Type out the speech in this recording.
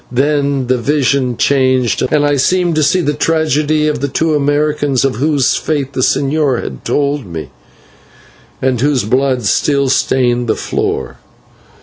Then the vision changed and I seemed to see the tragedy of the two Americans, of whose fate the señor had told me and whose blood still stained the floor.